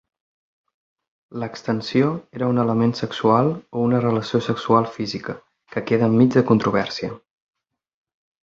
L'extensió era un element sexual o una relació sexual física, que queda enmig de controvèrsia.